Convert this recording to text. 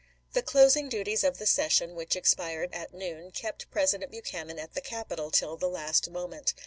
The closing duties of the session, which expired Mar. i, lsei. at noon, kept President Buchanan at the Capitol till the last moment.